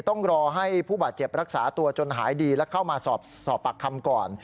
ต้องรอให้ผู้บาดเจ็บรักษาตัวจนหายดีและเข้ามาสอบปากคำก่อน